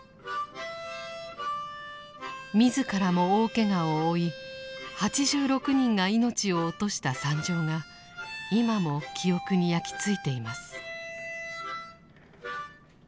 自らも大けがを負い８６人が命を落とした惨状が今も記憶に焼き付いています。